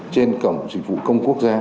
trên cổng dịch vụ công quốc gia